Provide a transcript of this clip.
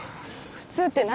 普通って何？